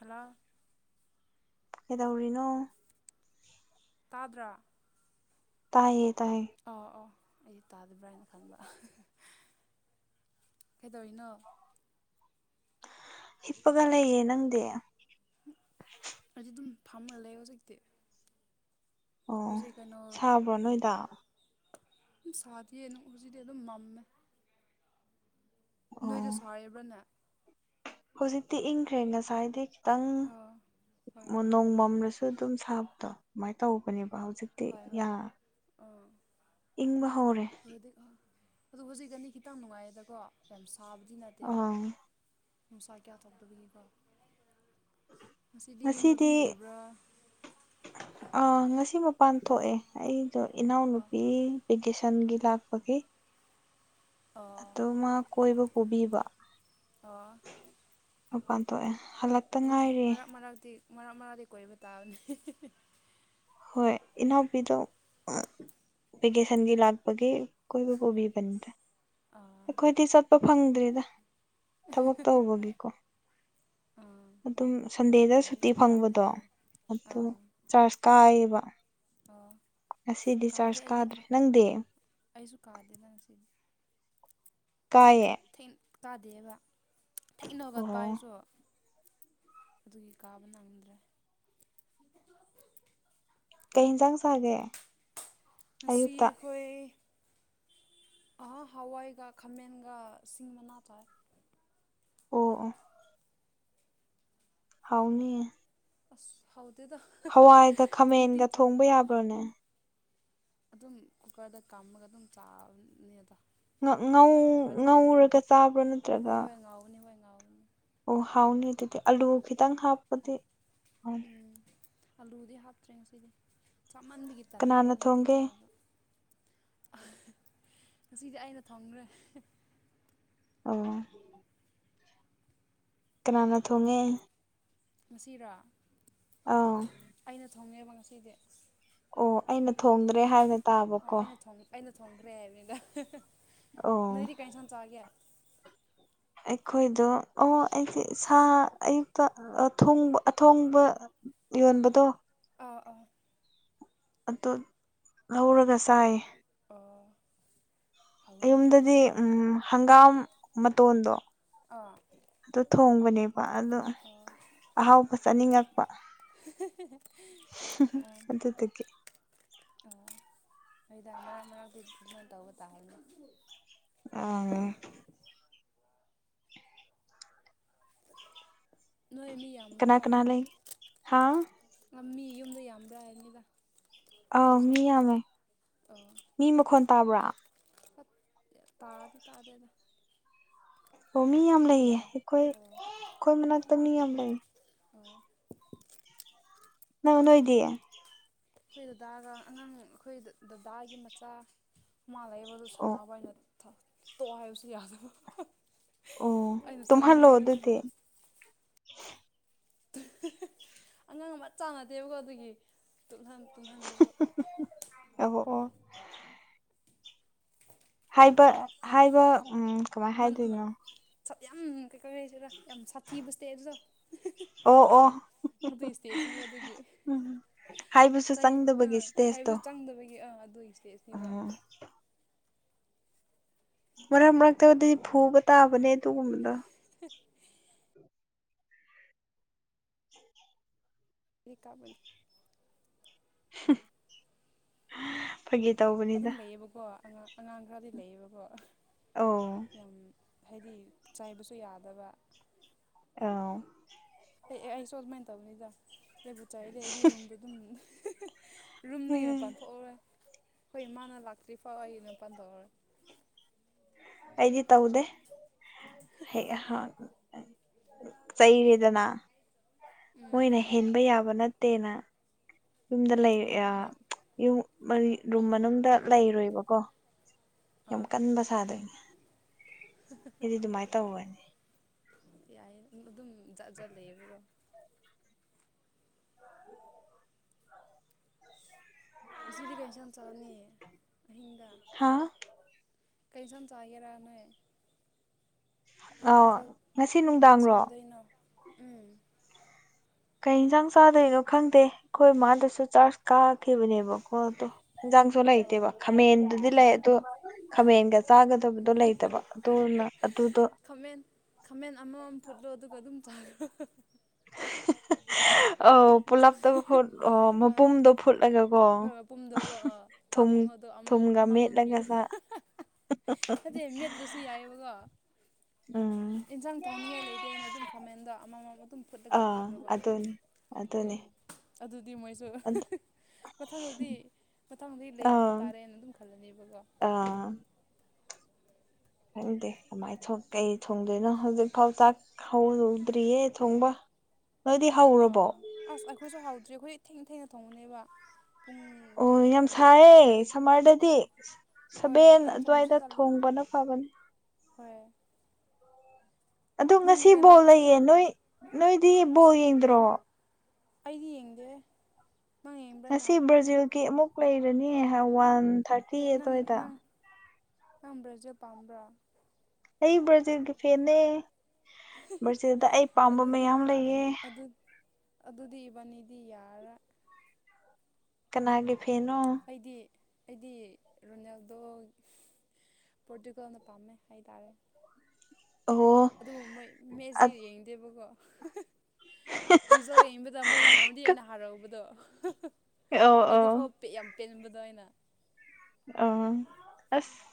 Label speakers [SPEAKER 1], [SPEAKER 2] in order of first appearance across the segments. [SPEAKER 1] ꯍꯥꯂꯧ
[SPEAKER 2] ꯀꯩꯗꯧꯔꯤꯅꯣ
[SPEAKER 1] ꯇꯥꯗ꯭ꯔꯥ
[SPEAKER 2] ꯇꯥꯏꯌꯦ ꯇꯥꯏꯌꯦ
[SPEAKER 1] ꯑꯣ ꯑꯣ ꯑꯩ ꯇꯥꯗꯕ꯭ꯔꯥ ꯍꯥꯏꯅ ꯈꯟꯕ ꯀꯩꯗꯧꯔꯤꯅꯣ
[SPEAKER 2] ꯍꯤꯞꯄꯒ ꯂꯩꯌꯦ ꯅꯪꯗꯤ
[SPEAKER 1] ꯑꯗꯤꯗꯨꯝ ꯐꯝꯃ ꯂꯩ ꯍꯧꯖꯤꯛꯇꯤ
[SPEAKER 2] ꯑꯣ
[SPEAKER 1] ꯍꯧꯖꯤꯛ ꯀꯩꯅꯣ
[SPEAKER 2] ꯁꯥꯕ꯭ꯔꯣ ꯅꯣꯏꯗ
[SPEAKER 1] ꯎꯝ ꯁꯥꯗꯦꯌꯦ ꯍꯧꯖꯤꯛꯇꯤ ꯑꯗꯨꯝ ꯃꯝꯃꯦ ꯅꯣꯏꯗꯣ
[SPEAKER 2] ꯑꯣ
[SPEAKER 1] ꯁꯔꯤꯕ꯭ꯔꯅꯦ
[SPEAKER 2] ꯍꯧꯖꯤꯛꯇꯤ ꯏꯪꯈ꯭ꯔꯦ ꯉꯁꯥꯏꯗꯤ ꯈꯤꯇꯪ
[SPEAKER 1] ꯑꯥ ꯍꯣꯏ
[SPEAKER 2] ꯅꯣꯡꯃꯝꯔꯁꯨ ꯑꯗꯨ ꯑꯗꯨꯝ ꯁꯥꯕꯗꯣ ꯑꯗꯨꯃꯥꯏꯅ ꯇꯧꯕꯅꯦꯕ ꯍꯧꯖꯤꯛ
[SPEAKER 1] ꯍꯣꯏ ꯍꯣꯏ ꯑꯥ
[SPEAKER 2] ꯏꯪꯕ ꯍꯧꯔꯦ
[SPEAKER 1] ꯑ ꯑꯗꯨ ꯍꯧꯖꯤꯛ ꯑꯅꯤ ꯈꯤꯇꯪ ꯅꯨꯡꯉꯥꯏꯌꯦꯗꯀꯣ ꯌꯥꯝ ꯁꯥꯕꯗꯤ ꯅꯠꯇꯦꯕ
[SPEAKER 2] ꯑꯥ
[SPEAKER 1] ꯅꯨꯡꯁꯥ ꯀꯌꯥ ꯇꯧꯇꯕꯒꯤꯀꯣ ꯉꯁꯤꯗꯤ ꯌꯨꯝꯗ ꯑꯗꯨꯝ ꯂꯩꯕ꯭ꯔꯥ
[SPEAKER 2] ꯑ ꯉꯁꯤ ꯃꯄꯥꯟ ꯊꯣꯛꯑꯦ ꯑꯩꯗꯣ
[SPEAKER 1] ꯑꯣ
[SPEAKER 2] ꯏꯅꯥꯎꯅꯨꯄꯤ ꯚꯦꯀꯦꯁꯟꯒꯤ ꯂꯥꯛꯄꯒꯤ
[SPEAKER 1] ꯑꯣ
[SPEAKER 2] ꯑꯗꯣ ꯃꯥ ꯀꯣꯏꯕ ꯄꯨꯕꯤꯕ
[SPEAKER 1] ꯑꯣ
[SPEAKER 2] ꯃꯄꯥꯟ ꯊꯣꯛꯑꯦ ꯍꯂꯛ__
[SPEAKER 1] ꯍꯣꯏꯗ ꯃꯔꯛ ꯃꯔꯛꯇꯤ ꯃꯔꯛ ꯃꯔꯛꯇꯤ ꯀꯣꯏꯕ ꯇꯥꯕꯅꯤ [unintelligible]
[SPEAKER 2] ꯍꯣꯏ ꯏꯅꯥꯎꯄꯤꯗꯣ [unintelligible] ꯚꯦꯀꯦꯁꯟꯒꯤ ꯂꯥꯛꯄꯒꯤ ꯀꯣꯏꯕ ꯄꯨꯕꯤꯕꯅꯤꯗ
[SPEAKER 1] ꯑꯥ
[SPEAKER 2] ꯑꯩꯈꯣꯏꯗꯤ ꯆꯠꯄ ꯐꯪꯗ꯭ꯔꯦꯗ ꯊꯕꯛ ꯇꯧꯕꯒꯤꯀꯣ
[SPEAKER 1] ꯑꯥ
[SPEAKER 2] ꯑꯗꯨꯝ
[SPEAKER 1] ꯍꯣꯏ ꯊꯕꯛ
[SPEAKER 2] ꯁꯟꯗꯦꯗ
[SPEAKER 1] ꯇꯧꯔꯗꯤ
[SPEAKER 2] ꯁꯨꯇꯤ
[SPEAKER 1] ꯃꯇꯝꯗꯤ
[SPEAKER 2] ꯐꯪꯕꯗꯣ
[SPEAKER 1] ꯂꯩꯔꯦ
[SPEAKER 2] ꯑꯗꯨ
[SPEAKER 1] ꯑꯥ
[SPEAKER 2] ꯆ꯭ꯔꯆ ꯀꯥꯏꯌꯦꯕ
[SPEAKER 1] ꯑꯣ
[SPEAKER 2] ꯉꯁꯤꯗꯤ
[SPEAKER 1] ꯀꯥꯗꯦ
[SPEAKER 2] ꯆ꯭ꯔꯆ
[SPEAKER 1] ꯑꯩꯗꯤ
[SPEAKER 2] ꯀꯥꯗ꯭ꯔꯦ ꯅꯪꯗꯤ
[SPEAKER 1] ꯑꯩꯁꯨ ꯀꯥꯗꯦꯗ ꯉꯁꯤꯗꯤ
[SPEAKER 2] ꯀꯥꯏꯌꯦ
[SPEAKER 1] ꯊꯦꯡ ꯀꯥꯗꯦꯕ ꯊꯦꯡꯅ ꯍꯧꯒꯠꯄ
[SPEAKER 2] ꯑꯣ
[SPEAKER 1] ꯑꯩꯁꯨ ꯑꯗꯨꯒꯤ ꯀꯥꯕ ꯅꯪꯗ꯭ꯔꯦ
[SPEAKER 2] ꯀꯩ ꯍꯦꯟꯖꯥꯡ ꯆꯥꯒꯦ
[SPEAKER 1] ꯉꯁꯤ
[SPEAKER 2] ꯑꯌꯨꯛꯇ
[SPEAKER 1] ꯑꯩꯈꯣꯏ ꯑꯍ ꯍꯋꯥꯏꯒ ꯈꯥꯃꯦꯟꯒ ꯁꯤꯡ ꯃꯅꯥ ꯆꯥꯏꯌꯦ
[SPEAKER 2] ꯑꯣ ꯑꯣ ꯍꯥꯎꯅꯤꯌꯦ
[SPEAKER 1] ꯑꯁ ꯍꯥꯎꯇꯦꯗ
[SPEAKER 2] ꯍꯋꯥꯏꯒ
[SPEAKER 1] ꯅꯨꯡꯇꯤ
[SPEAKER 2] ꯈꯥꯃꯦꯟꯒ
[SPEAKER 1] ꯆꯥꯏ
[SPEAKER 2] ꯊꯣꯡꯕ ꯌꯥꯕ꯭ꯔꯣꯅꯦ
[SPEAKER 1] ꯑꯗꯨꯝ ꯀꯨꯀꯔꯗ ꯀꯥꯝꯃꯒ ꯑꯗꯨꯝ ꯆꯥꯕꯅꯦꯗ
[SPEAKER 2] ꯉꯧ
[SPEAKER 1] ꯍꯥꯎꯕ꯭ꯔꯥ ꯍꯥꯎꯗ꯭ꯔꯕꯥꯗꯤ ꯈꯪꯗꯦ
[SPEAKER 2] ꯉꯧꯔꯒ ꯆꯥꯕ꯭ꯔꯣ ꯅꯠꯇ꯭ꯔꯒ
[SPEAKER 1] ꯍꯣꯏ ꯍꯣꯏ ꯉꯥꯎꯕꯅꯦ ꯍꯣꯏ ꯉꯥꯎꯕꯅꯤ
[SPEAKER 2] ꯑꯣ ꯍꯥꯎꯅꯤ ꯑꯗꯨꯗꯤ ꯑꯂꯨ ꯈꯤꯇꯪ ꯍꯥꯞꯄꯗꯤ [unintelligible]
[SPEAKER 1] ꯎꯝ ꯑꯂꯨꯗꯤ ꯍꯥꯞꯇ꯭ꯔꯦ ꯉꯁꯤꯗꯤ ꯆꯥꯃꯟꯕꯒꯤ ꯇꯜꯂꯦꯕ
[SPEAKER 2] ꯀꯅꯥꯅ
[SPEAKER 1] ꯅꯤꯡꯇꯤ
[SPEAKER 2] ꯊꯣꯡꯒꯦ
[SPEAKER 1] ꯆꯥꯔꯁꯨ ꯑꯍ ꯉꯁꯤꯗꯤ ꯑꯩꯅ ꯊꯣꯡꯉ꯭ꯔꯦ [unintelligible]
[SPEAKER 2] ꯑꯣ ꯑꯣ ꯀꯅꯥꯅ ꯊꯣꯡꯉꯦ
[SPEAKER 1] ꯉꯁꯤꯔꯣ
[SPEAKER 2] ꯑꯧ
[SPEAKER 1] ꯑꯩꯅ ꯊꯣꯡꯉꯦꯕ ꯉꯁꯤꯗꯤ
[SPEAKER 2] ꯑꯣ ꯑꯩꯅ ꯊꯣꯡꯗ꯭ꯔꯦ ꯍꯥꯏꯅ__
[SPEAKER 1] ꯑꯣ ꯑꯩꯅ ꯊꯣꯡ ꯑꯩꯅ ꯊꯣꯡꯈ꯭ꯔꯦ ꯍꯥꯏꯕꯅꯤꯗ [unintelligible]
[SPEAKER 2] ꯑꯣ
[SPEAKER 1] ꯅꯣꯏꯗꯤ ꯀꯩ ꯏꯟꯁꯥꯡ ꯆꯥꯒꯦ
[SPEAKER 2] ꯑꯩꯈꯣꯏꯗꯣ ꯑꯣ ꯑꯩꯗꯤ ꯁꯥ ꯑꯌꯨꯛꯇ ꯑ ꯊꯣꯡꯕ ꯑꯊꯣꯡꯕ ꯌꯣꯟꯕꯗꯣ
[SPEAKER 1] ꯑꯥ ꯑꯥ
[SPEAKER 2] ꯑꯗꯨꯠ ꯂꯧꯔꯒ ꯆꯥꯏꯌꯦ
[SPEAKER 1] ꯑꯣ ꯍꯥꯎꯒꯅꯤ ꯍꯥꯎꯒꯅꯤ
[SPEAKER 2] ꯑꯌꯨꯝꯗꯗꯤ ꯎꯝ ꯍꯪꯒꯥꯝ ꯃꯇꯣꯟꯗꯣ
[SPEAKER 1] ꯑꯥ
[SPEAKER 2] ꯑꯗꯨ ꯊꯣꯡꯕꯅꯦꯕ ꯑꯗꯣ
[SPEAKER 1] ꯑꯣ
[SPEAKER 2] ꯑꯍꯥꯎꯕ ꯆꯥꯅꯤꯡꯉꯛꯄ
[SPEAKER 1] [unintelligible]
[SPEAKER 2] ꯑꯗꯨꯗꯨꯒꯤ
[SPEAKER 1] ꯑꯣ ꯍꯣꯏꯗꯥ ꯃꯔꯛ ꯃꯔꯛꯇꯗꯤ ꯑꯗꯨꯃꯥꯏꯟ ꯇꯧꯕ ꯇꯥꯕꯅꯤ
[SPEAKER 2] [unintelligible]
[SPEAKER 1] ꯅꯣꯏ ꯃꯤ
[SPEAKER 2] ꯀꯅꯥ
[SPEAKER 1] ꯌꯥꯝꯕ꯭ꯔꯣ
[SPEAKER 2] ꯀꯅꯥ ꯂꯩ ꯍꯥ
[SPEAKER 1] ꯉꯝꯃꯤ ꯌꯨꯝꯗꯨ ꯌꯥꯝꯕ꯭ꯔꯥ ꯍꯥꯏꯕꯅꯤꯗ
[SPEAKER 2] ꯑꯥꯎ
[SPEAKER 1] ꯍꯧꯖꯤꯛ
[SPEAKER 2] ꯃꯤ ꯌꯥꯝꯃꯦ
[SPEAKER 1] ꯑꯣ
[SPEAKER 2] ꯃꯤ ꯃꯈꯣꯟ ꯇꯥꯕ꯭ꯔꯥ
[SPEAKER 1] ꯌ ꯇꯥꯗꯤ ꯇꯥꯗꯦꯗ
[SPEAKER 2] ꯑꯣ ꯃꯤ ꯌꯥꯝ
[SPEAKER 1] ꯑꯗꯨꯝ
[SPEAKER 2] ꯂꯩꯌꯦ
[SPEAKER 1] ꯌꯥꯏ
[SPEAKER 2] ꯑꯩꯈꯣꯏ ꯈꯣꯏ ꯃꯅꯥꯛꯇ ꯃꯤ ꯌꯥꯝ ꯂꯩ
[SPEAKER 1] ꯑꯣꯏꯌꯦ
[SPEAKER 2] ꯅꯪ ꯅꯣꯏꯗꯤ
[SPEAKER 1] ꯈꯣꯏ ꯗꯗꯥꯒ ꯑꯉꯥꯡ ꯑꯈꯣꯏ ꯗ ꯗꯗꯥꯒꯤ ꯃꯆꯥ ꯃꯥ ꯂꯩꯌꯦꯕ ꯑꯗꯨ
[SPEAKER 2] ꯑꯣ
[SPEAKER 1] ꯁꯅꯥꯕ ꯍꯥꯏꯅ ꯊ ꯇꯣꯛꯑꯣ ꯍꯥꯏꯕꯁꯨ ꯌꯥꯗꯕ ꯍ ꯍꯤ
[SPEAKER 2] ꯑꯣ
[SPEAKER 1] ꯑꯩꯅ
[SPEAKER 2] ꯇꯨꯝꯍꯜꯂꯣ ꯑꯗꯨꯗꯤ
[SPEAKER 1] ꯁꯥꯎꯅꯤꯡꯕꯗꯨꯁꯤꯗ ꯑꯉꯥꯡ ꯃꯆꯥ ꯉꯥꯇꯌꯦꯕꯀꯣ ꯑꯗꯨꯒꯤ ꯇꯨꯠꯍꯟ ꯇꯨꯝꯍꯟꯕꯁꯨ
[SPEAKER 2] ꯑꯕꯣ ꯑꯣ ꯍꯥꯏꯕ ꯍꯥꯏꯕ ꯎꯝ ꯀꯃꯥꯏ
[SPEAKER 1] ꯄꯟ ꯑꯃ
[SPEAKER 2] ꯍꯥꯏꯗꯣꯏꯅꯣ
[SPEAKER 1] ꯁꯥꯠ ꯌꯥꯝ ꯀꯩ ꯀꯧꯔꯦꯖꯤꯔꯥ ꯌꯥꯝ ꯁꯥꯊꯤꯕ ꯁ꯭ꯇꯦꯖ ꯗꯣ ꯍꯤ ꯍ
[SPEAKER 2] ꯑꯣ ꯑꯣ
[SPEAKER 1] ꯑꯗꯨꯒꯤ ꯁ꯭ꯇꯦꯖꯅꯤꯕ ꯑꯗꯨꯒꯤ
[SPEAKER 2] ꯎꯝ ꯍꯥꯏꯕꯁꯨ
[SPEAKER 1] ꯆꯩ
[SPEAKER 2] ꯆꯪꯗꯕꯒꯤ
[SPEAKER 1] ꯑꯥ
[SPEAKER 2] ꯏꯁꯇꯦꯖꯇꯣ
[SPEAKER 1] ꯍꯥꯏꯕ ꯆꯪꯗꯕꯒꯤ ꯑꯥ ꯑꯗꯨꯏ ꯁ꯭ꯇꯦꯖꯅꯤꯕ꯫
[SPEAKER 2] ꯑꯥ ꯃꯔꯛ ꯃꯔꯛꯇꯗꯤ ꯐꯨꯕ ꯇꯥꯕꯅꯦ ꯑꯗꯨꯒꯨꯝꯕꯗꯣ꯫
[SPEAKER 1] ꯍ ꯏꯀꯥꯕꯟ
[SPEAKER 2] ꯍꯝ ꯍ ꯐꯒꯤ
[SPEAKER 1] ꯑꯗꯨꯝ ꯂꯩꯌꯦꯕꯀꯣ ꯑꯉꯥꯡ ꯑꯉꯥꯡ ꯈ꯭ꯔꯗꯤ ꯂꯩꯌꯦꯕꯀꯣ꯫
[SPEAKER 2] ꯑꯣ꯫
[SPEAKER 1] ꯌꯥꯝ ꯍꯥꯏꯗꯤ ꯆꯥꯏꯕꯁꯨ ꯌꯥꯗꯕ
[SPEAKER 2] ꯑꯥꯎ꯫
[SPEAKER 1] ꯑꯩ ꯑꯦ ꯑꯩ ꯁꯣ ꯑꯗꯨꯃꯥꯏꯟ ꯇꯧꯕꯅꯤꯗ ꯑꯩꯕꯨ ꯆꯥꯏꯑꯦꯗꯤ ꯑꯩꯒꯤ ꯔꯨꯝꯗꯨꯗꯨꯝ ꯍ ꯍ ꯍ ꯔꯨꯝꯗꯨꯒꯤ
[SPEAKER 2] ꯎꯝ
[SPEAKER 1] ꯃꯄꯥꯟ ꯊꯣꯛꯑꯧꯔ ꯍꯣꯏ ꯃꯥꯅ ꯂꯥꯛꯇ꯭ꯔꯤꯐꯥꯎ ꯑꯩꯅ ꯚꯟ ꯇꯧꯔꯦ
[SPEAKER 2] ꯑꯩꯗꯤ ꯇꯧꯗꯦ ꯍꯩ ꯑꯍ ꯆꯩꯩꯔꯤꯗꯅ
[SPEAKER 1] ꯎꯝ
[SPEAKER 2] ꯃꯣꯏꯅ ꯍꯦꯟꯕ ꯌꯥꯕ ꯅꯠꯇꯦꯅ ꯌꯨꯝꯗ ꯂꯩ ꯑꯦ
[SPEAKER 1] ꯑꯃꯨꯛ
[SPEAKER 2] ꯌꯥ ꯌꯨ ꯃꯔꯤ ꯔꯨꯝ ꯃꯅꯨꯡꯗ ꯂꯩꯔꯣꯏꯕꯀꯣ ꯌꯥꯝ
[SPEAKER 1] ꯑꯥ
[SPEAKER 2] ꯀꯟꯕ ꯁꯥꯗꯣꯏꯅꯦ꯫ ꯁꯤꯗꯤ ꯑꯗꯨꯃꯥꯏꯅ ꯇꯧꯒꯅꯤ
[SPEAKER 1] ꯌꯥꯏꯌꯦ ꯑꯗꯨꯝ ꯖꯠꯖꯠꯂ ꯂꯩꯦꯕꯀꯣ ꯉꯗꯤ ꯀꯩ ꯏꯟꯁꯥꯡ ꯆꯥꯅꯤ ꯑꯍꯤꯡꯗ
[SPEAKER 2] ꯍꯥꯥ
[SPEAKER 1] ꯀꯩ ꯁꯝ ꯆꯥꯒꯦꯔꯥꯅꯦ
[SPEAKER 2] ꯑ
[SPEAKER 1] ꯀꯔꯤ ꯃꯊꯛ
[SPEAKER 2] ꯉꯁꯤ ꯅꯨꯡꯗꯥꯡꯔꯣ
[SPEAKER 1] ꯁꯦꯝꯗꯣꯏꯅꯣ ꯎꯝ
[SPEAKER 2] ꯀꯩ ꯏꯟꯖꯥꯡ ꯆꯥꯗꯣꯏꯅꯣ ꯈꯪꯗꯦ ꯈꯣꯏ ꯃꯥꯗꯨꯁꯨ ꯆꯥꯔ꯭ꯁ ꯀꯥ ꯀꯦꯕꯕ ꯀꯣ ꯇꯣ ꯌꯥꯥꯁꯣ
[SPEAKER 1] ꯑꯣ
[SPEAKER 2] ꯂꯩꯇꯦꯕ ꯈꯥ ꯃꯦꯟꯦꯟꯗꯨꯗꯤ
[SPEAKER 1] ꯑꯣ
[SPEAKER 2] ꯂꯩꯦ ꯇꯣ ꯈꯥꯃꯦꯟꯒ ꯆꯥꯒꯗꯕꯗꯣ ꯂꯩꯇꯕ ꯑꯗꯨꯅ ꯑꯗꯨꯗꯣ
[SPEAKER 1] ꯈꯥꯃꯦꯟ ꯈꯥꯃꯦꯟ ꯑꯃꯃꯝ ꯐꯨꯠꯂꯣ ꯑꯗꯨꯒ ꯑꯗꯨꯝ ꯆꯥꯔꯣ
[SPEAKER 2] [unintelligible] ꯑꯧ
[SPEAKER 1] ꯆꯥ
[SPEAKER 2] ꯄꯨꯂꯞꯇ ꯐꯨꯠ
[SPEAKER 1] ꯑꯥ
[SPEAKER 2] ꯃꯄꯨꯝꯗꯣ ꯐꯨꯠꯂꯒꯦꯀꯣ
[SPEAKER 1] ꯍꯣꯏ ꯃꯄꯨꯝꯗꯣꯀꯣ ꯑꯥ ꯆꯥꯛ
[SPEAKER 2] ꯊꯨꯝ
[SPEAKER 1] ꯊꯣꯡꯉꯣꯗꯣ ꯑꯃꯃꯝ
[SPEAKER 2] ꯊꯨꯝꯒ ꯃꯦꯠꯂꯒ ꯁꯥ
[SPEAKER 1] ꯐꯠꯇꯦ ꯃꯦꯠꯇ꯭ꯔꯁꯨ ꯌꯥꯏꯑꯕꯀꯣ
[SPEAKER 2] ꯎꯝ
[SPEAKER 1] ꯌꯦꯟꯁꯥꯡ ꯊꯣꯡꯅꯤꯡꯉꯥꯏ ꯂꯩꯇꯦ ꯑꯩꯅ ꯑꯗꯨꯝ ꯈꯥꯃꯦꯟꯗꯣ ꯑꯃꯃꯝ ꯑꯗꯨꯝ ꯐꯨꯠꯂꯒ
[SPEAKER 2] ꯑꯥ
[SPEAKER 1] ꯀꯤꯈ꯭ꯔꯣꯕ
[SPEAKER 2] ꯑꯗꯨꯅꯤ ꯑꯗꯨꯅꯤ
[SPEAKER 1] ꯎꯝ ꯑꯗꯨꯗꯤ ꯃꯣꯏꯁꯨ ꯃꯊꯪꯗꯗꯤ ꯃꯊꯪꯗꯗꯤ ꯂꯩꯔꯛꯄ
[SPEAKER 2] ꯑꯥ
[SPEAKER 1] ꯇꯥꯔꯦꯅ ꯑꯗꯨꯝ ꯈ ꯈꯜꯂꯅꯦꯕꯀꯣ
[SPEAKER 2] ꯑꯥ ꯈꯪꯗꯦ ꯀꯃꯥꯏꯅ ꯀꯩ ꯊꯣꯡꯗꯣꯏꯅꯣ ꯍꯧꯖꯤꯛꯐꯥꯎꯇꯥꯛ ꯍꯗꯗ꯭ꯔꯤꯌꯦꯦ ꯊꯣꯡꯕ ꯅꯗꯤ ꯍꯥꯎ
[SPEAKER 1] ꯑ ꯑꯁ ꯑꯩꯈꯣꯏꯁꯨ ꯍꯥꯎꯗ꯭ꯦ ꯑꯩꯈꯣꯏ ꯊꯦꯡꯅ ꯊꯦꯡꯅ ꯊꯣꯡꯉꯨꯅꯦꯕ
[SPEAKER 2] ꯑꯣ ꯌꯥꯝ ꯁꯥꯏꯌꯦꯦ ꯁꯝꯃꯔꯗꯗꯤ
[SPEAKER 1] ꯍꯣꯏ
[SPEAKER 2] ꯁꯕꯦꯟ
[SPEAKER 1] ꯉꯟꯅ ꯊꯣꯡꯕꯁꯨ
[SPEAKER 2] ꯑꯗꯨꯋꯥꯏꯗ
[SPEAKER 1] ꯇꯜꯂꯦ
[SPEAKER 2] ꯊꯣꯡꯕꯅ ꯐꯕꯅꯤ
[SPEAKER 1] ꯍꯣꯏ
[SPEAKER 2] ꯑꯗꯣ
[SPEAKER 1] ꯅꯪꯒꯤ
[SPEAKER 2] ꯉꯁꯤ
[SPEAKER 1] ꯀꯩꯅꯣ
[SPEAKER 2] ꯕꯣꯜ ꯂꯩꯌꯦ ꯅꯣꯏ ꯅꯣꯏꯗꯤ
[SPEAKER 1] ꯑꯁ
[SPEAKER 2] ꯕꯣꯜ ꯌꯦꯡꯗ꯭ꯔꯣ
[SPEAKER 1] ꯑꯩꯗꯤ ꯌꯦꯡꯗꯦ ꯅꯪ ꯌꯦꯡꯕ꯭ꯔꯅꯦ
[SPEAKER 2] ꯉꯁꯤ ꯕ꯭ꯔꯥꯖꯤꯜꯒꯤ ꯑꯃꯨꯛ ꯂꯩꯔꯅꯤ ꯍꯋꯥꯟ
[SPEAKER 1] ꯑꯦ ꯅꯪ ꯅꯪ ꯅꯪꯕ꯭ꯔꯖ ꯄꯥꯝꯕ꯭ꯔꯣ
[SPEAKER 2] ꯑꯩ ꯕ꯭ꯔꯥꯖꯤꯜꯒꯤ ꯐꯦꯟꯅꯦ ꯕ꯭ꯔꯥꯖꯤꯜꯗ ꯑꯩ ꯄꯥꯝꯕ
[SPEAKER 1] ꯑꯗꯨꯗꯤ
[SPEAKER 2] ꯃꯌꯥꯝ ꯂꯩꯌꯦ
[SPEAKER 1] ꯑꯗꯨ ꯑꯗꯨꯗꯤ ꯏꯕꯥꯅꯤꯗꯤ ꯌꯥꯔꯥ
[SPEAKER 2] ꯀꯅꯥꯒꯤ ꯐꯅꯣ
[SPEAKER 1] ꯑꯩꯗꯤ ꯑꯩꯗꯤ ꯔꯣꯅꯦꯜꯗꯣ ꯄꯣꯔꯇꯨꯒꯜꯅ ꯄꯥꯝꯃꯦ ꯍꯥꯏꯇꯥꯔꯦ
[SPEAKER 2] ꯑꯣ
[SPEAKER 1] ꯑꯗꯨꯕꯨ ꯃꯣꯏ ꯃꯦꯠꯁꯤ
[SPEAKER 2] ꯑꯣ
[SPEAKER 1] ꯌꯦꯡꯗꯦꯕꯀꯣ ꯔꯤꯖꯜ ꯌꯦꯡꯕꯗ ꯃꯣꯏꯅ ꯉꯝꯗꯤ ꯑꯩꯅ ꯍꯥꯏꯔꯛꯕꯗꯣ ꯑꯗꯨ
[SPEAKER 2] ꯑꯣ
[SPEAKER 1] ꯐꯥꯎ ꯌꯥꯝ ꯄꯦꯟꯕꯗꯣ ꯑꯩꯅ
[SPEAKER 2] ꯑ ꯑꯁ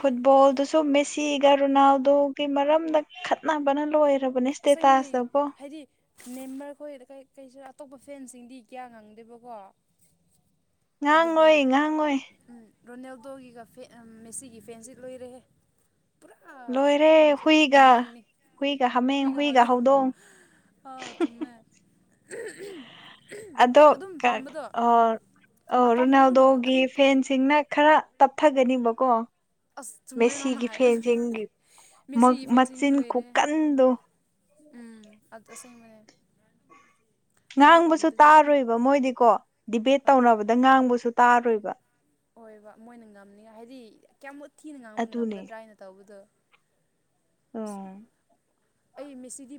[SPEAKER 2] ꯐꯨꯠꯕꯣꯜꯗꯨꯁꯨ ꯃꯦꯁꯤꯒ ꯔꯣꯅꯥꯜꯗꯣꯒꯤ ꯃꯔꯝꯗ ꯈꯠꯅꯕꯅ ꯂꯣꯏꯔꯦ
[SPEAKER 1] ꯑꯁꯦꯡꯕꯅꯦ ꯍꯥꯏꯗꯤ ꯃꯦꯝꯕꯔ ꯈꯣꯏ ꯀꯩꯁꯨ ꯑꯇꯣꯞꯄ ꯐꯦꯟꯁꯤꯡꯗꯤ ꯀꯌꯥ ꯉꯪꯗꯦꯕꯀꯣ ꯑꯗꯨꯕꯨ
[SPEAKER 2] ꯉꯥꯡꯉꯣꯏ ꯉꯥꯡꯉꯣꯏ
[SPEAKER 1] ꯔꯣꯅꯦꯜꯗꯣꯒꯤꯒ ꯃꯦꯁꯤꯒꯤ ꯐꯦꯟꯁꯤ ꯂꯣꯏꯔꯦꯍꯦ ꯄꯨꯔꯥ ꯀꯩꯖꯔ ꯃꯥꯏꯅꯤ
[SPEAKER 2] ꯍꯣꯏꯒ ꯍ
[SPEAKER 1] ꯍꯏꯒꯗꯣ ꯑꯥ ꯆꯨꯝꯃꯦ
[SPEAKER 2] ꯑꯗꯣ
[SPEAKER 1] ꯑꯗꯨꯝ ꯄꯥꯝꯕꯗꯣ ꯑꯄꯥꯝꯕꯗꯣ ꯑꯗꯨꯝ
[SPEAKER 2] ꯔꯣꯅꯥꯗꯣꯒꯤ
[SPEAKER 1] ꯑꯗꯨꯝ
[SPEAKER 2] ꯐꯦꯟꯁꯤꯡꯅ ꯈꯔ ꯇꯞꯊꯒꯅꯤꯕꯀꯣ
[SPEAKER 1] ꯑꯁ ꯆꯨꯝꯃꯦ ꯅꯪꯅ
[SPEAKER 2] ꯃꯦꯁꯤꯒꯤ
[SPEAKER 1] ꯍꯥꯏꯕꯗꯣ
[SPEAKER 2] ꯐꯦꯟꯁꯤꯡ
[SPEAKER 1] ꯃꯦꯁꯤꯒꯤ ꯐꯦꯟꯁꯤꯡꯗꯤ
[SPEAKER 2] ꯃꯆꯤꯟ
[SPEAKER 1] ꯂꯣꯏꯔꯦ
[SPEAKER 2] ꯀꯀꯟꯗꯣ
[SPEAKER 1] ꯎꯝ ꯑ ꯑ ꯃꯅꯦ
[SPEAKER 2] ꯉꯥꯡꯕꯁꯨ ꯇꯥꯔꯣꯏꯕ ꯃꯣꯏꯗꯤꯀꯣ ꯗꯤꯕꯦꯠ ꯇꯧꯅꯕꯗ ꯉꯥꯡꯕꯁꯨ ꯇꯥꯔꯣꯏꯕ
[SPEAKER 1] ꯍ ꯕ ꯃꯣꯏꯅ ꯉꯝꯅꯤꯉꯥꯏ ꯍꯥꯏꯗꯤ ꯀꯌꯥꯝꯃꯨꯛ ꯊꯤꯅ ꯉꯥꯡꯕ
[SPEAKER 2] ꯑꯗꯨꯅꯦ
[SPEAKER 1] ꯉꯝꯒꯗ꯭ꯔꯥ ꯍꯥꯏꯅ ꯇꯧꯕꯗꯣ
[SPEAKER 2] ꯎꯝ
[SPEAKER 1] [inaudible] ꯑꯩ ꯃꯦꯁꯤꯗꯤ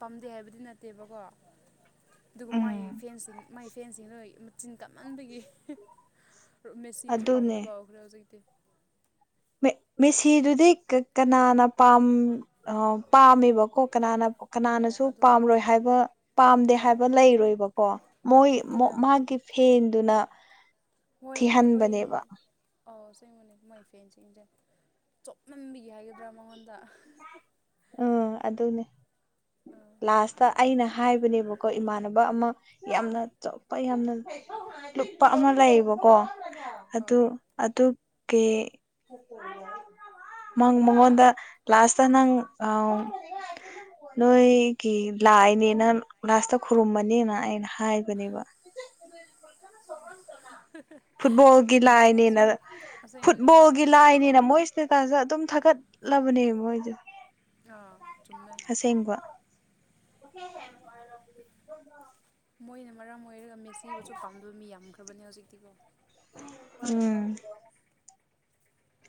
[SPEAKER 1] ꯄꯥꯝꯗꯦ ꯍꯥꯏꯕꯗꯤ ꯅꯠꯇꯦꯕꯀꯣ ꯑꯗꯨꯒ ꯃꯥꯏ
[SPEAKER 2] ꯎꯝ
[SPEAKER 1] ꯐꯦꯟꯁꯤꯡ ꯃꯥꯏ ꯐꯦꯟꯁꯤꯡꯗ ꯃꯆꯤꯟ ꯀꯥꯞꯃꯟꯕꯒꯤ ꯃꯦꯁꯤꯕꯨꯁꯨ
[SPEAKER 2] ꯑꯗꯨꯅꯦ
[SPEAKER 1] ꯄꯥꯝꯗꯕ ꯍꯧꯎꯈ꯭ꯔꯦ ꯍꯧꯖꯤꯛꯇꯤ
[SPEAKER 2] ꯃꯦꯁꯤꯗꯨꯗꯤ ꯀꯅꯥꯅ ꯄꯝ ꯄꯥꯝꯃꯦꯕꯀꯣ ꯀꯅꯥꯅ
[SPEAKER 1] ꯍꯣꯏ
[SPEAKER 2] ꯀꯅꯥꯅꯁꯨ
[SPEAKER 1] ꯑꯗꯨꯅꯦ
[SPEAKER 2] ꯄꯥꯝꯔꯣꯏ ꯍꯥꯏꯕ ꯄꯥꯝꯗꯦ
[SPEAKER 1] ꯍꯣꯏ
[SPEAKER 2] ꯍꯥꯏꯕ ꯂꯩꯔꯣꯏꯕꯀꯣ
[SPEAKER 1] ꯍꯣꯏ
[SPEAKER 2] ꯃꯣꯏ
[SPEAKER 1] ꯑꯩꯈꯣꯏꯕꯨ ꯌꯥꯝ
[SPEAKER 2] ꯃꯥꯒꯤ ꯐꯦꯟꯗꯨꯅ
[SPEAKER 1] ꯍꯣꯏ ꯍꯣꯏꯅꯦ
[SPEAKER 2] ꯊꯤꯍꯟꯕꯅꯦꯕ
[SPEAKER 1] ꯑꯧ ꯁꯤꯦꯡꯕꯨꯅꯦ ꯃꯣꯏ ꯐꯦꯟꯁꯤꯡꯁꯦ ꯆꯞꯅꯝꯕꯤꯒꯦ ꯍꯥꯏꯒꯗ꯭ꯔꯥ ꯃꯉꯣꯟꯗ
[SPEAKER 2] ꯎꯝ ꯑꯗꯨ ꯑꯗꯨꯅꯦ
[SPEAKER 1] ꯑ
[SPEAKER 2] ꯂꯥꯁꯇ ꯑꯩꯅ ꯍꯥꯏꯕꯅꯦꯕꯀꯣ ꯏꯃꯥꯟꯅꯕ ꯑꯃ ꯌꯥꯝꯅ ꯑꯇꯣꯞꯄ ꯌꯥꯝꯅ ꯂꯨꯄꯥ ꯑꯃ ꯂꯩꯌꯦꯕꯀꯣ ꯑꯗꯨ
[SPEAKER 1] ꯑꯥ
[SPEAKER 2] ꯑꯗꯨ ꯀꯪ ꯃꯉꯣꯟꯗ ꯀ꯭ꯂꯥꯁꯇ ꯅꯪ ꯑ ꯅꯣꯏ ꯒꯤ ꯂꯥꯛꯏꯅꯦꯅ ꯂꯥꯁꯇ ꯈꯨꯔꯨꯝꯕꯅꯤꯅ ꯑꯩꯅ ꯍꯥꯏ ꯀꯅꯦꯕ ꯐꯨꯠꯕꯣꯜꯒꯤ
[SPEAKER 1] ꯆꯨꯝꯃꯦ
[SPEAKER 2] ꯂꯥꯏꯅꯦꯅ
[SPEAKER 1] ꯑꯗꯨꯁꯨ ꯑꯁꯦꯡꯕꯅꯦ ꯍꯣꯏ
[SPEAKER 2] ꯐꯨꯠꯕꯣꯜꯒꯤ ꯂꯥꯏꯅꯤꯅ ꯃꯣꯏ ꯀꯩꯀꯥꯁꯦ ꯑꯗꯨꯝ ꯊꯥꯒꯠꯂꯕꯅꯦꯕ ꯃꯣꯏꯁꯦ
[SPEAKER 1] ꯑꯥ ꯆꯨꯝꯃ
[SPEAKER 2] ꯁꯦꯡꯕ ꯍꯦ ꯍꯦꯅꯨꯡ
[SPEAKER 1] ꯃꯣꯏꯅ ꯃꯔꯝ ꯑꯣꯏꯔꯒ ꯃꯦꯁꯤꯕꯨꯁꯨ ꯄꯥꯝꯗꯕ ꯃꯤ ꯌꯥꯝꯈ꯭ꯔꯕꯅꯦ ꯍꯧꯖꯤꯛꯇꯤꯀꯣ
[SPEAKER 2] ꯎꯝ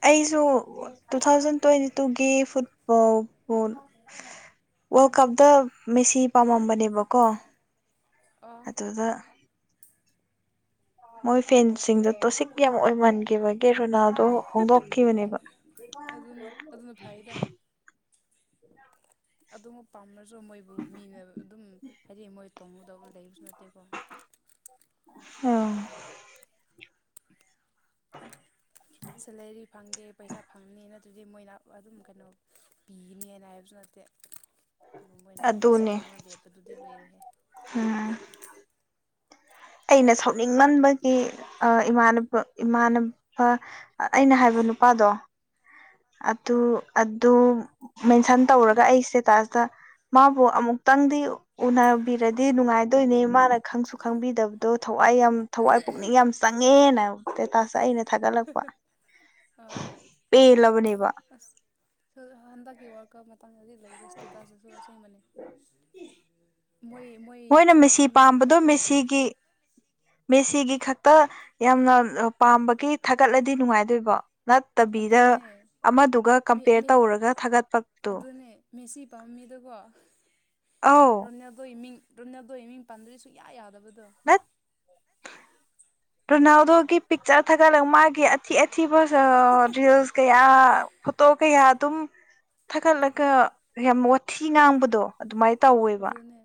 [SPEAKER 2] ꯑꯩꯁꯨ ꯇꯨ ꯊꯥꯎꯖꯟ ꯇ꯭ꯋꯦꯟꯇꯤ ꯇꯨꯒꯤ ꯐꯨꯠꯕꯣꯜ ꯄꯣ ꯋꯥꯔꯜ ꯀꯞꯗ ꯃꯦꯁꯤ ꯄꯥꯝꯃꯝꯕꯅꯦꯕꯀꯣ
[SPEAKER 1] ꯑ
[SPEAKER 2] ꯑꯗꯨꯗ ꯃꯣꯏ ꯐꯦꯟꯁꯤꯡꯗꯣ ꯇꯣꯁꯤꯛ ꯌꯥꯝ ꯑꯣꯏꯃꯟꯈꯤꯕꯒꯤ ꯔꯣꯅꯥꯜꯗꯣ ꯍꯣꯡꯗꯣꯛꯈꯤꯕꯅꯦꯕ
[SPEAKER 1] ꯑꯗꯨꯅꯤ ꯑꯗꯨꯅ ꯐꯩꯗ ꯑꯗꯨ ꯄꯥꯝꯅꯁꯨ ꯃꯣꯏꯕꯨ ꯃꯤꯅ ꯑꯗꯨꯝ ꯍꯥꯏꯗꯤ ꯃꯣꯏ ꯇꯣꯡꯉꯗꯧ ꯂꯩꯕꯁꯨ ꯅꯠꯇꯦꯀꯣ
[SPEAKER 2] ꯑꯥ [inaudible]
[SPEAKER 1] ꯁꯦꯂꯦꯔꯤ ꯐꯪꯒꯦ ꯄꯩꯁꯥ ꯐꯪꯅꯤ ꯅꯠꯇ꯭ꯔꯗꯤ ꯃꯣꯏꯅ ꯑꯗꯨꯝ ꯀꯩꯅꯣ ꯄꯤꯒꯅꯤꯅ ꯍꯥꯏꯕꯁꯨ ꯅꯠꯇꯦ ꯑꯗꯨꯒ ꯃꯣꯏꯅ
[SPEAKER 2] ꯑꯗꯨꯅꯦ
[SPEAKER 1] ꯃꯦꯁꯤꯗ ꯑꯃ ꯂꯦꯞꯄꯗꯨꯗꯤ ꯂꯣꯏꯔꯦꯍꯦ
[SPEAKER 2] ꯎꯝ ꯑꯩꯅ ꯁꯥꯎꯅꯤꯡꯃꯟꯕꯒꯤ ꯑ ꯏꯃꯥꯟꯅꯕ ꯏꯃꯥꯟꯅꯕ ꯑꯩꯅ ꯍꯥꯏꯕ ꯅꯨꯄꯥꯗꯣ ꯑꯗꯨ
[SPEAKER 1] ꯑꯥ
[SPEAKER 2] ꯑꯗꯨ ꯃꯦꯟꯁꯟ ꯇꯧꯔꯒ ꯑꯩ ꯏꯁꯇꯦꯇꯁꯇ ꯃꯥꯕꯨ ꯑꯃꯨꯛꯇꯪꯗꯤ ꯎꯅꯕꯤꯔꯗꯤ ꯅꯨꯡꯉꯥꯏꯗꯣꯏꯅꯦ ꯃꯥꯅ ꯈꯪꯁꯨ ꯈꯪꯕꯤꯗꯕꯗꯣ ꯊꯋꯥꯏ ꯌꯥꯝ ꯊꯋꯥꯏ ꯄꯨꯛꯅꯤꯡ ꯌꯥꯝ ꯆꯪꯉꯦꯅ ꯗꯦꯇꯁꯇ ꯑꯩꯅ ꯊꯥꯒꯠꯂꯛꯄ
[SPEAKER 1] [unintelligible]
[SPEAKER 2] ꯄꯦꯜꯂꯕꯅꯤꯕ
[SPEAKER 1] ꯍꯟꯗꯛꯀꯤ ꯋꯥꯔꯜ ꯀꯞ ꯃꯇꯥꯡꯗꯗꯤ ꯂꯩꯔꯦ ꯏꯁꯇꯦꯇꯁꯤꯁꯨ ꯑꯁꯦꯡꯕꯅꯦ ꯃꯣꯏ ꯃꯣꯏ
[SPEAKER 2] ꯃꯣꯏꯅ ꯃꯦꯁꯤ
[SPEAKER 1] ꯁꯥꯟꯅꯑꯝꯃꯤ ꯍꯦꯟꯅ
[SPEAKER 2] ꯄꯥꯝꯕꯗꯣ
[SPEAKER 1] ꯑꯩꯈꯣꯏꯅ
[SPEAKER 2] ꯃꯦꯁꯤꯒꯤ ꯃꯦꯁꯤꯒꯤ ꯈꯛꯇ ꯌꯥꯝꯅ ꯄꯥꯝꯕꯒꯤ ꯊꯥꯒꯠꯂꯗꯤ ꯅꯨꯡꯉꯥꯏꯗꯣꯏꯕꯣ ꯅꯠꯇꯕꯤꯗ
[SPEAKER 1] ꯑꯗꯨꯅꯦ
[SPEAKER 2] ꯑꯃꯗꯨꯒ
[SPEAKER 1] ꯃꯤ
[SPEAKER 2] ꯀꯝꯄꯦꯌꯔ
[SPEAKER 1] ꯃꯤ
[SPEAKER 2] ꯇꯧꯔꯒ ꯊꯥꯒꯠꯄꯗꯨ
[SPEAKER 1] ꯑꯗꯨꯅꯦ ꯃꯦꯁꯤ ꯄꯥꯝꯃꯤꯗꯣꯀꯣ
[SPEAKER 2] ꯑꯧ
[SPEAKER 1] ꯔꯣꯅꯦꯜꯗꯣꯒꯤ ꯃꯤꯡ ꯔꯣꯝ ꯅꯗꯣ ꯃꯤꯡ ꯄꯥꯟꯗꯔꯗꯤ ꯁꯨꯡꯌꯥ ꯌꯥꯗꯕꯗꯣ
[SPEAKER 2] [unintelligible] ꯔꯣꯅꯥꯜꯗꯣꯒꯤ ꯄꯤꯛꯆꯔ ꯊꯥꯒꯠꯂꯒ ꯃꯥꯒꯤ ꯑꯊꯤ ꯑꯊꯤꯕ [unintelligible] ꯔꯤꯜꯁ ꯀꯌꯥ ꯐꯣꯇꯣ ꯀꯌꯥ ꯑꯗꯨꯝ ꯊꯥꯒꯠꯂꯒ ꯌꯥꯝ ꯋꯥꯊꯤ ꯉꯥꯡꯕꯗꯣ ꯑꯗꯨꯃꯥꯏ ꯇꯧꯋꯤ
[SPEAKER 1] ꯑꯗꯨꯅꯦ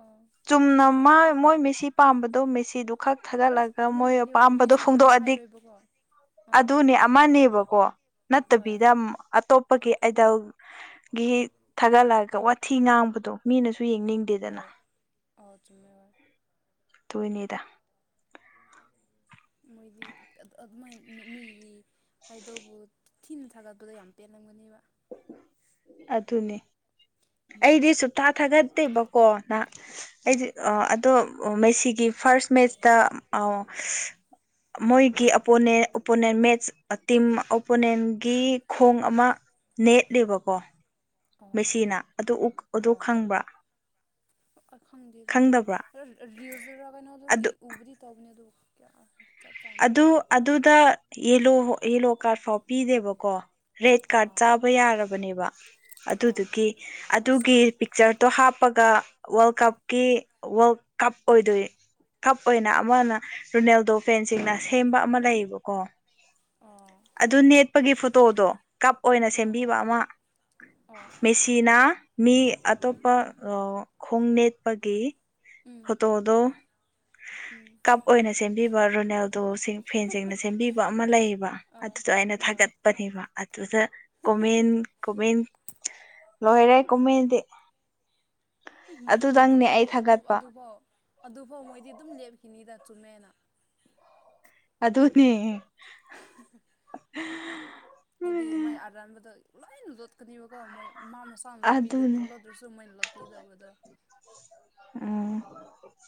[SPEAKER 1] ꯑꯥ
[SPEAKER 2] ꯆꯨꯝꯅ ꯃꯥ ꯃꯣꯏ ꯃꯦꯁꯤ ꯄꯥꯝꯕꯗꯣ ꯃꯦꯁꯤꯗꯨ ꯈꯛ
[SPEAKER 1] ꯑꯁ
[SPEAKER 2] ꯊꯥꯒꯠꯂꯒ
[SPEAKER 1] ꯑꯗꯨꯃꯥꯏꯅ
[SPEAKER 2] ꯃꯣꯏ
[SPEAKER 1] ꯍꯥꯏꯗꯤ ꯍꯣꯏ
[SPEAKER 2] ꯑꯄꯥꯝꯕꯗꯣ
[SPEAKER 1] ꯃꯤꯁꯨ ꯀꯩꯝꯇ
[SPEAKER 2] ꯐꯣꯡꯗꯣꯛꯑꯗꯤ
[SPEAKER 1] ꯍꯥꯏꯔꯣꯏꯕꯀꯣ ꯑꯥ
[SPEAKER 2] ꯑꯗꯨꯅꯦ ꯑꯃꯅꯦꯕꯀꯣ
[SPEAKER 1] ꯍꯣꯏ
[SPEAKER 2] ꯅꯠꯇꯕꯤꯗ ꯑꯇꯣꯞꯄꯒꯤ ꯑꯥꯏꯗꯜ ꯒꯤ ꯊꯥꯒꯠꯂꯛꯒ ꯋꯥꯊꯤ ꯉꯥꯡꯕꯗꯣ ꯃꯤꯅꯁꯨ ꯌꯦꯡꯅꯤꯡꯗꯦꯗꯅ
[SPEAKER 1] ꯑꯥ ꯆꯨꯝꯃꯦꯕ
[SPEAKER 2] ꯗꯨꯏꯅꯤꯗ [unintelligible]
[SPEAKER 1] ꯃꯣꯏꯗꯤ ꯑꯗꯨꯃꯥꯏꯟ ꯃꯤꯒꯤ ꯍꯥꯏꯗꯕꯨ ꯊꯤꯅ ꯊꯥꯒꯠꯄꯗ ꯌꯥꯝ ꯄꯦꯜꯂꯝꯒꯅꯦꯕ
[SPEAKER 2] ꯑꯗꯨꯅꯦ ꯑꯩꯗꯤ ꯁꯨꯛꯊꯥ ꯊꯥꯒꯠꯇꯦꯕꯀꯣ ꯅꯍ
[SPEAKER 1] ꯍꯣꯏ
[SPEAKER 2] ꯑꯩꯗꯤ ꯑꯥ ꯑꯗꯣ ꯃꯦꯁꯤꯒꯤ ꯐꯥꯔ꯭ꯁ ꯃꯦꯠꯆꯇ ꯑꯥ ꯃꯣꯏꯒꯤ ꯑꯣꯄꯣꯅꯦꯟ ꯑꯣꯄꯣꯅꯦꯟ ꯃꯦꯠꯆ ꯇꯤꯝ ꯑꯣꯄꯣꯅꯦꯟꯒꯤ ꯈꯣꯡ ꯑꯃ ꯅꯦꯠꯂꯦꯕꯀꯣ
[SPEAKER 1] ꯑꯣ
[SPEAKER 2] ꯃꯦꯁꯤꯅꯥ ꯑꯗꯨ ꯑꯗꯨ
[SPEAKER 1] ꯑꯣ
[SPEAKER 2] ꯈꯪꯕ꯭ꯔꯥ
[SPEAKER 1] ꯈꯪꯗꯦ ꯑꯗꯨꯗꯤ
[SPEAKER 2] ꯈꯪꯗꯕ꯭ꯔꯥ
[SPEAKER 1] ꯔꯤꯜꯁ [unintelligible] ꯀꯩꯅꯣꯅ
[SPEAKER 2] ꯑꯗꯨ
[SPEAKER 1] ꯎꯕꯔꯤ ꯇꯧꯒꯅꯤꯗꯨ ꯀꯌꯥ
[SPEAKER 2] ꯑꯗꯨ ꯑꯗꯨꯗ ꯌꯦꯂꯣ ꯌꯦꯂꯣ ꯀꯥꯔꯠ ꯐꯥꯎ ꯄꯤꯗꯦꯕꯀꯣ ꯔꯦꯠ ꯀꯥꯔꯠ
[SPEAKER 1] ꯑꯥ
[SPEAKER 2] ꯆꯥꯕ ꯌꯥꯔꯕꯅꯦꯕ
[SPEAKER 1] ꯑꯥ
[SPEAKER 2] ꯑꯗꯨꯗꯨꯒꯤ
[SPEAKER 1] ꯏꯁ
[SPEAKER 2] ꯑꯗꯨꯒꯤ ꯄꯤꯛꯆꯔꯇꯣ ꯍꯥꯞꯄꯒ ꯋꯥꯔꯜ ꯀꯞꯀꯤ ꯋꯥꯔꯜ ꯀꯞ ꯑꯣꯏꯗꯣꯏ ꯀꯞ ꯑꯣꯏꯅ ꯑꯃꯅ ꯔꯣꯅꯦꯜꯗꯣ ꯐꯦꯟꯁꯤꯡꯅ ꯁꯦꯝꯕ ꯑꯃ ꯂꯩꯌꯦꯕꯀꯣ
[SPEAKER 1] ꯑꯣ
[SPEAKER 2] ꯑꯗꯨ ꯅꯦꯠꯄꯒꯤ ꯐꯣꯇꯣꯗꯣ ꯀꯞ ꯑꯣꯏꯅ
[SPEAKER 1] ꯑꯥ ꯑꯥ
[SPEAKER 2] ꯁꯦꯝꯕꯤꯕ ꯑꯃ
[SPEAKER 1] ꯑꯥ
[SPEAKER 2] ꯃꯦꯁꯤꯅꯥ ꯃꯤ ꯑꯇꯣꯞꯄ ꯈꯣꯡ ꯅꯦꯠꯄꯒꯤ
[SPEAKER 1] ꯎꯝ
[SPEAKER 2] ꯐꯣꯇꯣꯗꯣ
[SPEAKER 1] ꯎꯝ
[SPEAKER 2] ꯀꯞ ꯑꯣꯏꯅ ꯁꯦꯝꯕꯤꯕ ꯔꯣꯅꯦꯜꯗꯣ ꯐꯦꯟꯁꯤꯡꯅ ꯁꯦꯝꯕꯤꯕ ꯑꯃ ꯂꯩꯌꯦꯕ
[SPEAKER 1] ꯑꯥ
[SPEAKER 2] ꯑꯗꯨꯗꯣ ꯑꯩꯅ
[SPEAKER 1] ꯑꯥ
[SPEAKER 2] ꯊꯥꯒꯠꯄꯅꯦꯕ ꯑꯗꯨꯗ ꯀꯃꯦꯟ ꯀꯃꯦꯟ ꯂꯣꯏꯔꯦ ꯀꯃꯦꯟꯗꯦ
[SPEAKER 1] ꯃꯣꯏꯗꯤ
[SPEAKER 2] ꯑꯩ ꯊꯥꯒꯠꯄ
[SPEAKER 1] ꯑꯗꯨꯐꯥꯎ ꯑꯗꯨꯐꯧ ꯃꯣꯏꯗꯤ ꯑꯗꯨꯝ ꯂꯦꯞꯈꯤꯅꯤꯗ ꯆꯨꯝꯃꯦꯅ
[SPEAKER 2] ꯑꯗꯅꯦ
[SPEAKER 1] ꯍꯥꯏꯗꯤ ꯃꯥꯏ ꯑꯔꯥꯟꯕꯗ ꯂꯣꯏꯅ ꯂꯣꯠꯀꯅꯤꯕꯀꯣ ꯃꯣꯏ ꯃꯥ ꯑꯄꯥꯥꯝ ꯂꯄꯤ
[SPEAKER 2] ꯑꯗꯨꯅꯦ
[SPEAKER 1] ꯂꯣꯠꯇ꯭ꯔꯁꯨ ꯃꯣꯏꯅ ꯂꯥꯛꯄꯤꯗꯕꯗꯣ
[SPEAKER 2] ꯑꯥ